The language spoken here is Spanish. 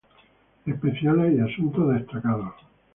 Especiales y asuntos destacados